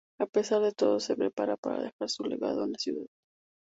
A pesar de todo se prepara para dejar su legado en la ciudad.